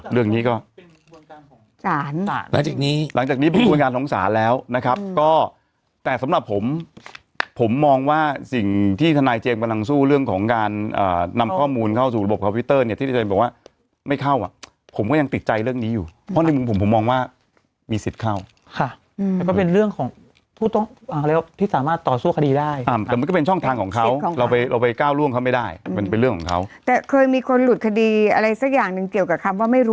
เรื่องนี้ก็หลังจากนี้เป็นวงการของสารแล้วนะครับก็แต่สำหรับผมผมมองว่าสิ่งที่ทนายเจมส์พลังสู้เรื่องของการอ่านำข้อมูลเข้าสู่ระบบคอพิวเตอร์เนี่ยที่เจนบอกว่าไม่เข้าอ่ะผมก็ยังติดใจเรื่องนี้อยู่เพราะฉะนั้นผมมองว่ามีสิทธิ์เข้าค่ะอืมก็เป็นเรื่องของผู้ต้องที่สามารถต่อสู้คดีได้อ่าแต่มัน